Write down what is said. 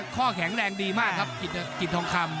ข้อแข็งแรงดีมากครับกิจทองคำ